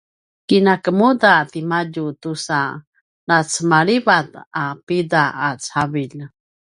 kinamakuda timadju tusa nasecalivat a pida a cavilj